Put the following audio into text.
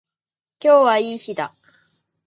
今日はいい日だ。